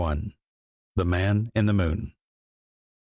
THE MAN IN THE MOON.